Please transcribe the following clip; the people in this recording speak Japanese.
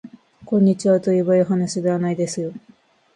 こんにちはといえばいいはなしではないですよ